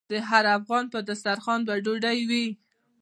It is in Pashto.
د هر افغان په دسترخان به ډوډۍ وي؟